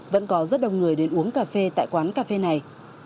vẫn có rất đông người đến uống cà phê tại quán cà phê này